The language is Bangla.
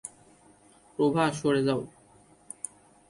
প্রভা, সরে যাও।